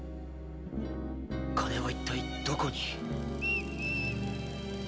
金は一体どこに⁉